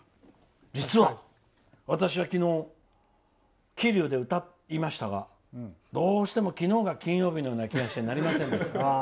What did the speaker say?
実は私昨日、桐生で歌いましたがどうしても昨日が金曜日のような気がしてなりませんでした。